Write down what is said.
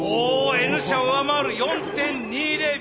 Ｎ社上回る４．２０秒。